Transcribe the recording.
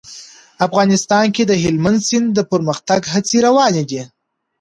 افغانستان کې د هلمند سیند د پرمختګ هڅې روانې دي.